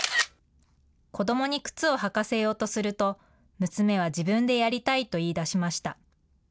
子どもに靴を履かせようとすると娘は自分でやりたいと言いだしました。